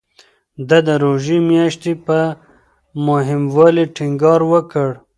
ده د روژې میاشتې په مهموالي ټینګار وکړ.